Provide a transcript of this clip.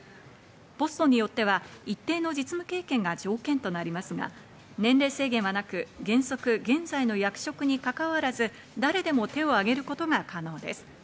ポストによっては一定の実務経験が条件となりますが、年齢制限はなく、原則、現在の役職にかかわらず、誰でも手を挙げることが可能です。